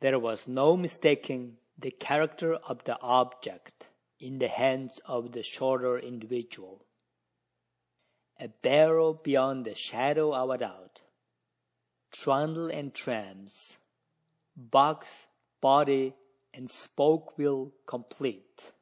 There was no mistaking the character of the object in the hands of the shorter individual a barrow beyond the shadow of a doubt trundle and trams, box, body, and spoke wheel complete!